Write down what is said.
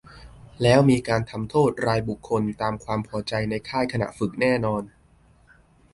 แล้วมีการทำโทษรายบุคคลตามความพอใจในค่ายขณะฝึกแน่นอน